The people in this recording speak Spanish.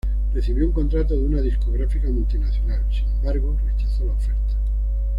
Recibió un contrato de una discográfica multinacional, sin embargo, rechazó la oferta.